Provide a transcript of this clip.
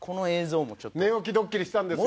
寝起きドッキリしたんですよ。